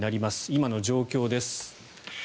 今の状況です。